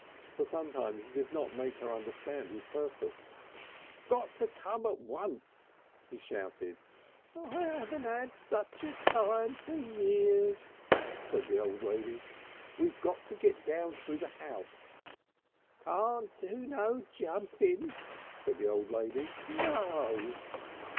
For some time he could not make her understand his purpose. "Got to come at once!" he shouted. "I hain't 'ad sich a time for years!" said the old lady. "We'll have to get down through the house!" "Can't do no jumpin'," said the old lady. "No!"